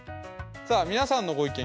さあ皆さんのご意見